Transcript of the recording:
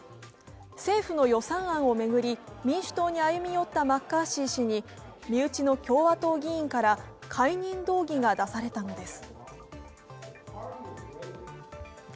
政府の予算案を巡り民主党に歩み寄ったマッカーシー氏に身内の共和党議員から解任動議が出されたのです。